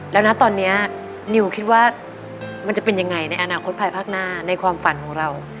แล้วนะตอนนี้นิวคิดว่ามันจะเป็นยังไงในอนาคตภายภาคหน้าในความฝันของเรา